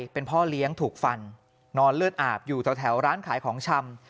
เป็นพ่อเลี้ยงถูกฟันนอนเลือดอาบอยู่แถวร้านขายของชำ